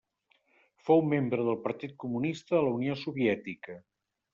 Fou membre del Partit Comunista de la Unió Soviètica.